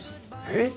えっ！？